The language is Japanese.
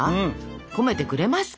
込めてくれますか？